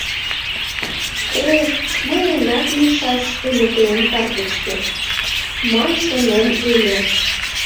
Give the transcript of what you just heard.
«Эх, мыйынат лийшаш ыле тыйын картычкет!» — ман шонем ыле.